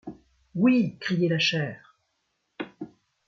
Oui ! criait la chair.